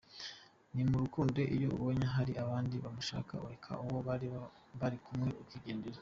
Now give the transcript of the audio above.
No mu rukundo, iyo abonye hari abandi bamushaka areka uwo bari bari kumwe akigendera.